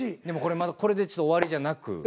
でもこれまだこれで終わりじゃなく。